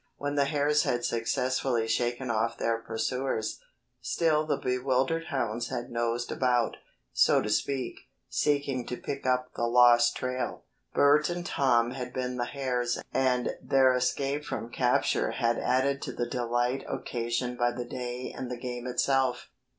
When the hares had successfully shaken off their pursuers, still the bewildered hounds had nosed about, so to speak, seeking to pick up the lost trail. Bert and Tom had been the hares and their escape from capture had added to the delight occasioned by the day and the game itself.